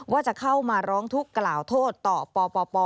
ว่าจะเข้ามาร้องทุกข์กล่าวโทษต่อปป